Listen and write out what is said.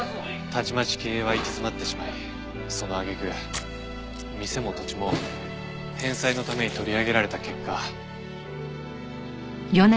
たちまち経営は行き詰まってしまいその揚げ句店も土地も返済のために取り上げられた結果。